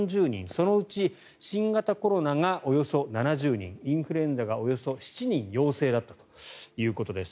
そのうち新型コロナがおよそ７０人インフルエンザがおよそ７人陽性だったということです。